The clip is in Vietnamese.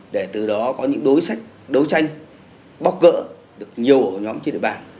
để từ đó có những đối tranh đối tranh bóc gỡ được nhiều ổ nhóm trên địa bàn